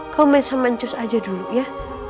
kamu main sama ancus aja dulu ya